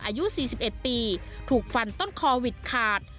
อายุ๔๑ปีถูกฟันต้นคอวิทยาคาร์ด